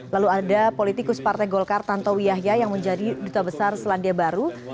lalu ada politikus partai golkar tantowi yahya yang menjadi duta besar selandia baru